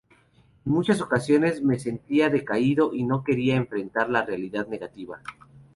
En muchas ocasiones me sentía decaído y no quería enfrentar la realidad negativa.